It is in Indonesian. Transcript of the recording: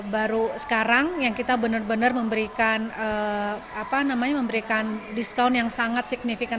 baru sekarang yang kita benar benar memberikan apa namanya memberikan diskaun yang sangat signifikan